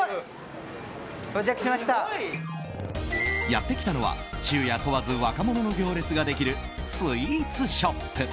やってきたのは昼夜問わず若者の行列ができるスイーツショップ。